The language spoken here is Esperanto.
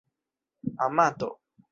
amato